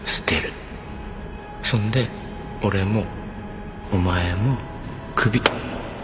そんで俺もお前もクビ